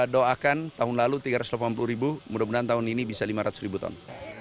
doakan tahun lalu tiga ratus delapan puluh ribu mudah mudahan tahun ini bisa lima ratus ribu ton